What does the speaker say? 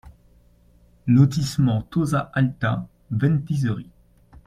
Lotissement Tozza Alta, Ventiseri